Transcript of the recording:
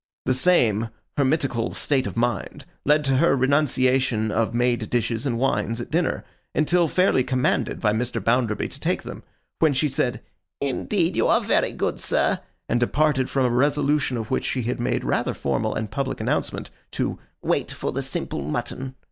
The same Hermitical state of mind led to her renunciation of made dishes and wines at dinner, until fairly commanded by Mr. Bounderby to take them; when she said, 'Indeed you are very good, sir;' and departed from a resolution of which she had made rather formal and public announcement, to 'wait for the simple mutton.